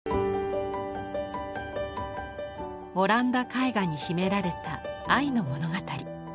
オランダ絵画に秘められた愛の物語。